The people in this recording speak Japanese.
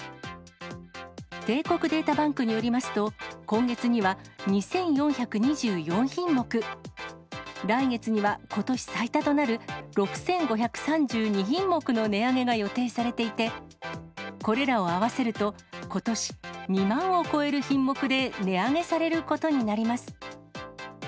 帝国データバンクによりますと、今月には２４２４品目、来月には、ことし最多となる６５３２品目の値上げが予定されていて、これらを合わせると、ことし、２万を超える品目で値上げされることになります。